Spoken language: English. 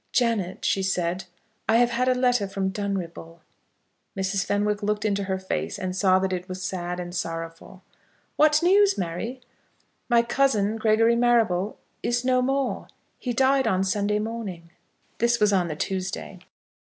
"Janet," she said, "I have had a letter from Dunripple." Mrs. Fenwick looked into her face, and saw that it was sad and sorrowful. "What news, Mary?" "My cousin, Gregory Marrable, is no more; he died on Sunday morning." This was on the Tuesday.